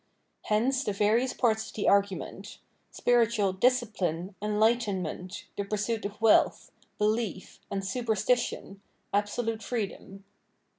Hence the various parts of the argument .—spiritual " dis cipline," "enlightenment," the pursuit of "wealth," "belief" and "super stition," " absolute freedom."